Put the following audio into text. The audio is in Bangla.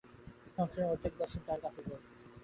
সংসারের অর্ধেক বাসন তাহার কাছে যে!